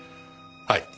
はい。